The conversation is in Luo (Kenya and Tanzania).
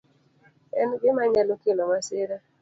En gima nyalo kelo masira..